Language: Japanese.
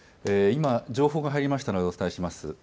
今、情報が入りましたのでお伝えします。